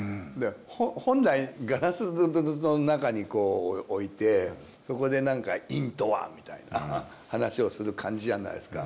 本来ガラスの中にこう置いてそこで何か「殷とは」みたいな話をする感じじゃないですか。